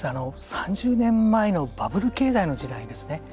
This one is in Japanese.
３０年前のバブル経済の時代ですね。